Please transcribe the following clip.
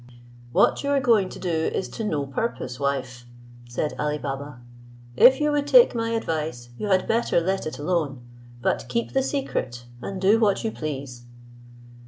"What you are going to do is to no purpose, wife," said Ali Baba; "if you would take my advice, you had better let it alone, but keep the secret, and do what you please."